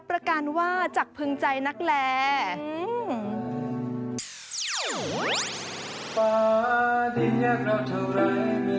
เพราะฉันรักเราอย่างนั้นไม่ได้